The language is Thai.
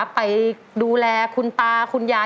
ไปดูแลคุณตาคุณยาย